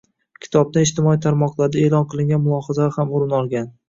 Kitobdan ijtimoiy tarmoqlarda eʼlon qilingan mulohazalar ham o‘rin olgan.